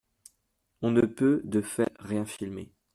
On ne peut, de fait, rien filmer.